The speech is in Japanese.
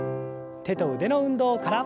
手と腕の運動から。